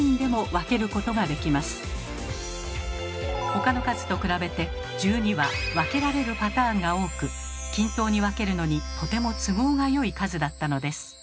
他の数と比べて１２は分けられるパターンが多く均等に分けるのにとても都合がよい数だったのです。